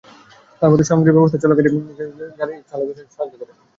তাঁর মতে, স্বয়ংক্রিয় ব্যবস্থায় চলা গাড়ি চালকের সাহায্যকারী হিসেবে কাজ করে।